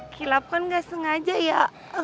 kilap kan gak sengaja ya